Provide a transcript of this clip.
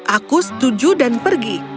aku setuju dan pergi